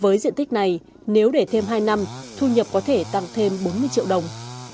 với diện tích này nếu để thêm hai năm thu nhập có thể tăng thêm bốn mươi triệu đồng